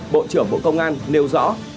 bộ trưởng bộ công an nêu rõ